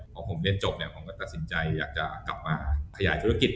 พอผมเรียนจบเนี่ยผมก็ตัดสินใจอยากจะกลับมาขยายธุรกิจ